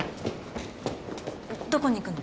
どこに行くの？